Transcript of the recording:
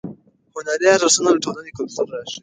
هنري ارزښتونه د ټولنې کلتور ښیي.